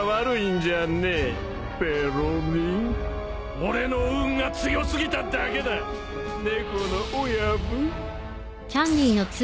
俺の運が強すぎただけだネコの親分。